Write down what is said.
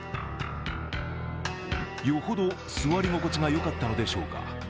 よほど座り心地がよかったのでしょうか。